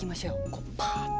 こうパーッと！